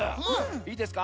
いいですか？